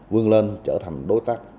vươn lên trở thành đối tác